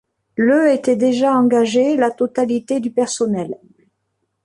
Le était déjà engagée la totalité du personnel.